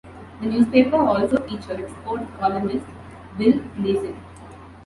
The newspaper also featured sports columnist Bill Gleason.